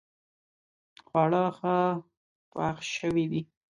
خواړه ښه پخ شوي دي